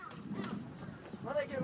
まだいける。